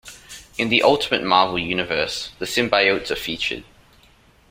In the "Ultimate Marvel" universe, the Symbiotes are featured.